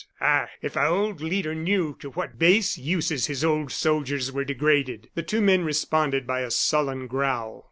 Ah! if our old leader knew to what base uses his old soldiers were degraded!" The two men responded by a sullen growl.